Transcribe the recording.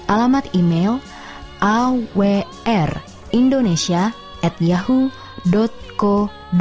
alamat email awrindonesia at yahoo co id